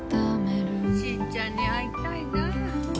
しぃちゃんに会いたいな。